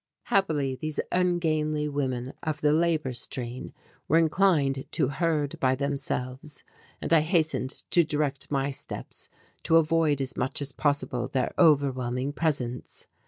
Happily these ungainly women of the labour strain were inclined to herd by themselves and I hastened to direct my steps to avoid as much as possible their overwhelming presence.